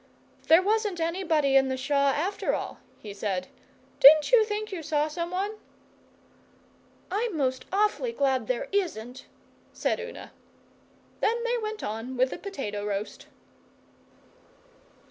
'There wasn't anybody in the Shaw, after all,' he said. 'Didn't you think you saw someone?' 'I'm most awfully glad there isn't,' said Una. Then they went on with the potato roast.